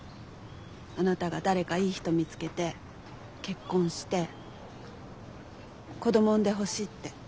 あなたが誰かいい人見つけて結婚して子ども産んでほしいって。